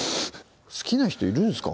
好きな人いるんですか？